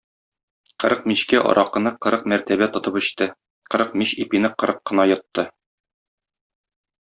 Кырык мичкә аракыны кырык мәртәбә тотып эчте, кырык мич ипине кырык кына йотты.